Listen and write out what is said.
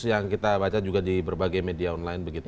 yang kita baca juga di berbagai media online begitu